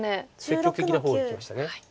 積極的な方をいきました。